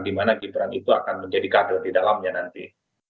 di mana gibran itu akan menjadi kader di dalamnya nanti